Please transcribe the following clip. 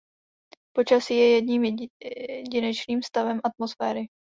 Počasí je jedním jedinečným stavem atmosféry.